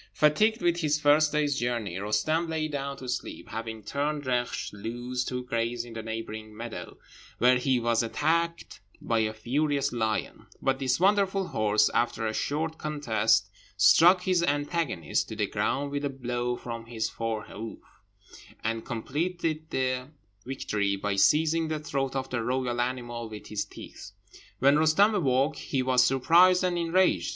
Fatigued with his first day's journey, Roostem lay down to sleep, having turned Reksh loose to graze in a neighbouring meadow, where he was attacked by a furious lion; but this wonderful horse, after a short contest, struck his antagonist to the ground with a blow from his fore hoof, and completed the victory by seizing the throat of the royal animal with his teeth. When Roostem awoke, he was surprised and enraged.